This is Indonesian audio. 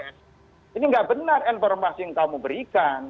ini nggak benar informasi yang kamu berikan